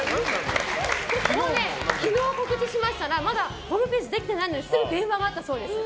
昨日告知しましたらまだホームページできてないのにすぐ電話があったそうです。